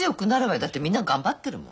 だってみんな頑張ってるもん。